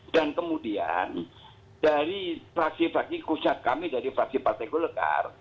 dan kemudian dari praksi praksi kusat kami dari praksi partai golekar